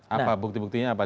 apa bukti buktinya apa